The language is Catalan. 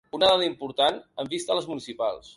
Una dada important amb vista a les municipals.